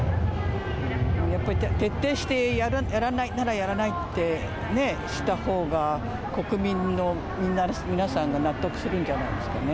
やっぱり徹底してやらないならやらないってね、したほうが、国民の皆さんが納得するんじゃないですかね。